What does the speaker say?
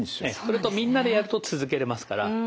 それとみんなでやると続けれますから。